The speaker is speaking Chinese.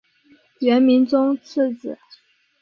元明宗次子。